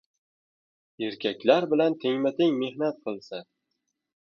Erkaklar bilan tengma-teng mehnat qilsa!